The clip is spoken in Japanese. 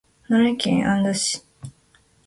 奈良県安堵町